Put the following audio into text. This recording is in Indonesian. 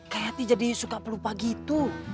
kayakty jadi suka pelupa gitu